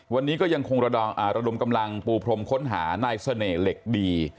วันนี้ก็ยังคงระดมกำลังปูพรมค้นหานายเสน่ห์เหล็กดี